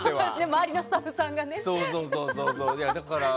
周りのスタッフさんがね。